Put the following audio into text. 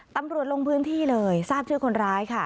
ตำรวจลงพื้นที่เลยทราบชื่อคนร้ายค่ะ